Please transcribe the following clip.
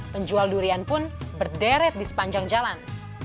penjual durian pun berderet di sepanjang jalan